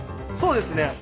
そうですね。